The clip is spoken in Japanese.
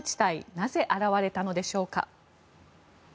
なぜ現れたのでしょうか。